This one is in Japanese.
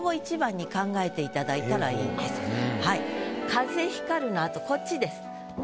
「風光る」の後こっちです。